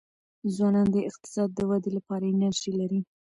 ځوانان د اقتصاد د ودې لپاره انرژي لري.